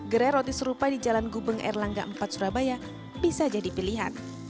gerai roti serupa di jalan gubeng erlangga empat surabaya bisa jadi pilihan